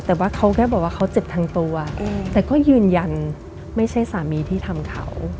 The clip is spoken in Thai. แต่ว่าเขาแค่บอกว่าเขาเจ็บทั้งตัวแต่ก็ยืนยันไม่ใช่สามีที่ทำเขา